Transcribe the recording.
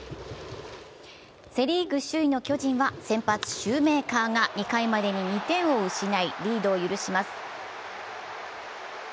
セ・リーグ首位の巨人は先発・シューメーカーが２回までに２点を失いリードを許します。